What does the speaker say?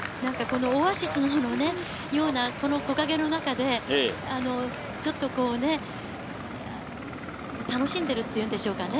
オアシスのような木陰の中で、楽しんでいるっていうんでしょうか。